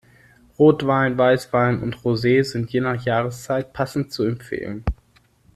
Rotwein, Weißwein und Rosee sind je nach Jahreszeit passend zu empfehlen.